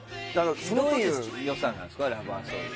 どういう良さなんですか？